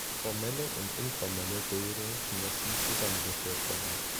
Formelle und informelle Bildung müssen zusammengeführt werden.